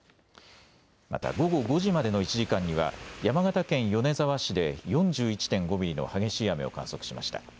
また午後５時までの１時間には山形県米沢市で４１．５ミリの激しい雨を観測しました。